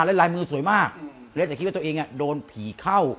ลายมือสวยมากและจะคิดว่าตัวเองโดนผีเข้า